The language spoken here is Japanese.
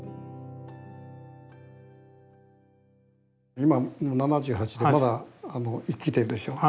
今７８でまだ生きてるでしょ。